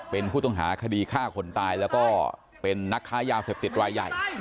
เป็นผู้ต้องหาคดีฆ่าคนตายแล้วก็เป็นนักค้ายาเสพติดรายใหญ่